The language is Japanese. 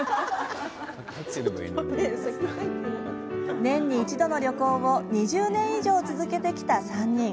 年に一度の旅行を２０年以上続けてきた３人。